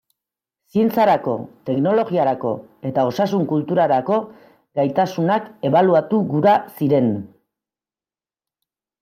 Zientziarako, teknologiarako eta osasun kulturarako gaitasunak ebaluatu gura ziren.